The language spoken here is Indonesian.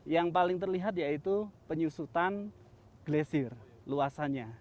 yang paling terlihat yaitu penyusutan glesir luasannya